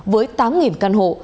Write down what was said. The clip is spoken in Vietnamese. với tám căn hộ